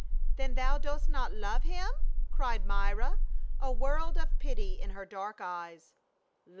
"Then thou dost not love him?" cried Myra, a world of pity in her dark eyes.